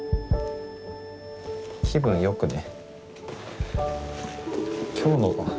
気分良くね。